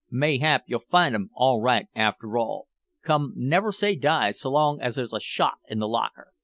Mayhap you'll find 'em all right after all. Come, never say die s'long as there's a shot in the locker.